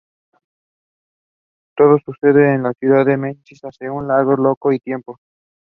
The campus was originally operated for the purpose of ministering to troubled young women.